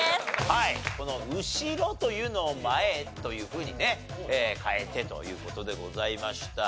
はいこの「うしろ」というのを「まえ」というふうにね変えてという事でございました。